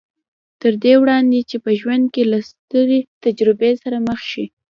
تر دې وړاندې چې په ژوند کې له سترې تجربې سره مخ شي